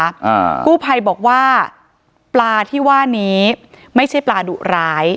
อ่ากู้ภัยบอกว่าปลาที่ว่านี้ไม่ใช่ปลาดุร้าย